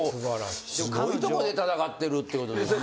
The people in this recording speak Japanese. すごいところで戦ってるっていうことですね。